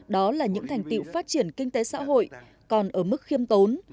đó là những thành tiệu phát triển kinh tế xã hội còn ở mức khiêm tốn